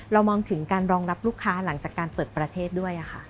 มองถึงการรองรับลูกค้าหลังจากการเปิดประเทศด้วยค่ะ